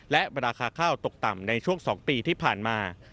และราคาข้าวตกต่ำในช่วง๒ปีที่ผ่านมา